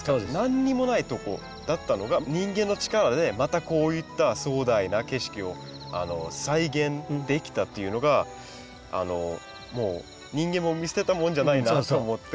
何にもないとこだったのが人間の力でまたこういった壮大な景色を再現できたっていうのがもう人間も見捨てたもんじゃないなと思って。